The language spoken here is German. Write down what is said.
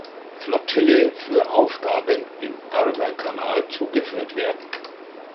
Flottille für Aufgaben im Ärmelkanal zugeführt werden.